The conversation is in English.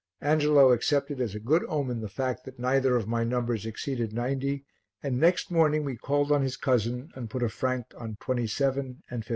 Angelo accepted as a good omen the fact that neither of my numbers exceeded 90, and next morning we called on his cousin and put a franc on 27 and 52.